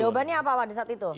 jawabannya apa pak ada salah